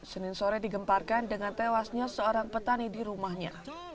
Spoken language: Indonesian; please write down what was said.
senin sore digemparkan dengan tewasnya seorang petani di rumahnya